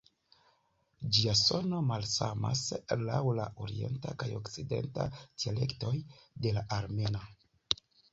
Ĝia sono malsamas laŭ la orienta kaj okcidenta dialektoj de la armena.